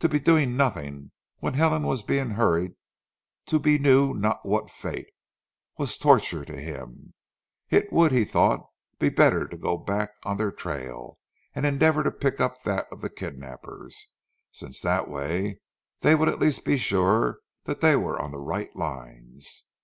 To be doing nothing, when Helen was being hurried to be knew not what fate, was torture to him. It would, he thought, be better to go back on their trail, and endeavour to pick up that of the kidnappers, since that way they would at least be sure that they were on the right lines.